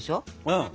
うん。